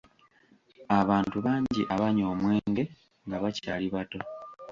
Abantu bangi abanywa omwenge nga bakyali bato.